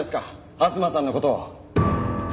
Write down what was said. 吾妻さんの事を。